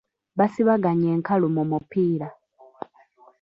Basibaganye enkalu mu mupiira.